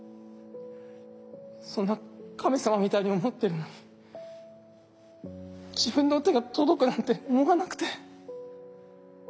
そんな神様みたいに思ってるのに自分の手が届くなんて思わなくて。